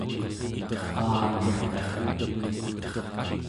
aanirta